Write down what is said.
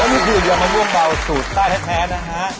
วันนี้คือยังมะม่วงเบาสูตรใสแทบแทนนะฮะ